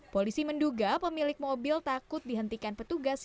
polisi menduga pemilik mobil takut dihentikan petugas